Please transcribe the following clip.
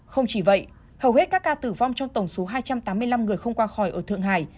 không chỉ vậy hầu hết các ca tử vong trong tổng số hai trăm tám mươi năm người không qua khỏi ở thượng hải